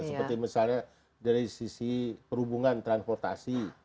seperti misalnya dari sisi perhubungan transportasi